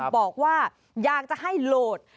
บอกว่าอยากจะให้โหลด